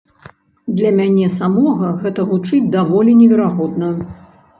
Для мяне самога гэта гучыць даволі неверагодна.